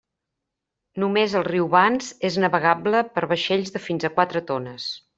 Només el riu Bans és navegable per vaixells de fins a quatre tones.